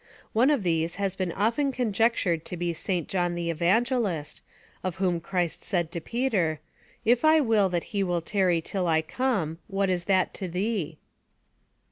One of these has been often conjectured to be St. John the Evangelist, of whom Christ said to Peter, "If I will that he tarry till I come, what is that to thee?"